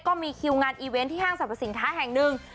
ก็มีคิวงานอีเวนต์ที่ห้างสรรพสินค้าแห่งหนึ่ง